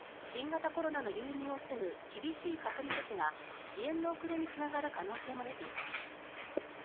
新型コロナの流入を防ぐ厳しい隔離措置が支援の遅れにつながる可能性も出ています。